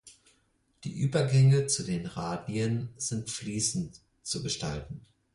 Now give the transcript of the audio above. Die Übergänge zu den Radien sind fließend zu gestalten.